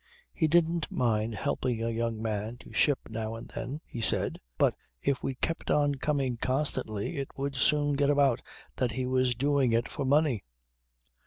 He didn't mind helping a young man to a ship now and then, he said, but if we kept on coming constantly it would soon get about that he was doing it for money.